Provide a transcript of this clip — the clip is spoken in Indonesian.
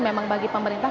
memang bagi pemerintah